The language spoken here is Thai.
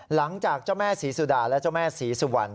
หลังจากเจ้าแม่ศรีสุดาและเจ้าแม่ศรีสุวรรณ